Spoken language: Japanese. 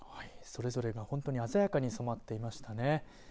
それぞれが本当に色鮮やかに染まっていましたね。